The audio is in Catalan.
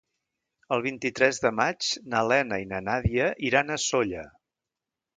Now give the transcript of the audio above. El vint-i-tres de maig na Lena i na Nàdia iran a Sóller.